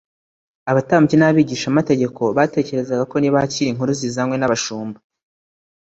Abatambyi n'abigishamategeko batekerezaga ko nibakira inkuru zizanywe n'abashumba